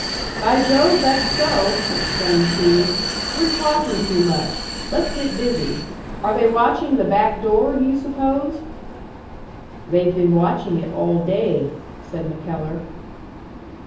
"By Jove, that's so!" exclaimed Keating. "We're talking too much let's get busy. Are they watching the back door, do you suppose?" "They've been watching it all day," said MacKellar.